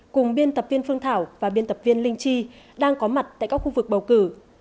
cùng biên tập viên phương thảo và biên tập viên linh chi đang có mặt tại các khu vực bầu cử